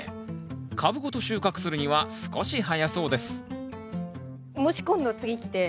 株ごと収穫するには少し早そうです